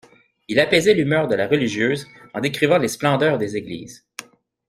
Il apaisait l'humeur de la religieuse en décrivant les splendeurs des églises.